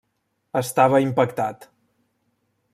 Estava impactat.